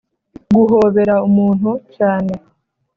guhobera umuntu cyane.